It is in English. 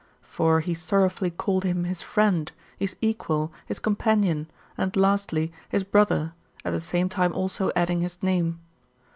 For he sorrowfully called him his friend, his equal, his companion, and lastly, his brother, at the same time also adding his name.